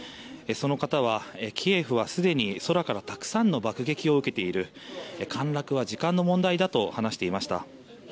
その方は、キエフはすでに空からたくさんの爆撃を受けている陥落は時間の問題だと話していました。